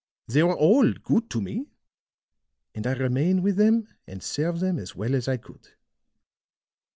They were all good to me, and I remained with them and served them as well as I could.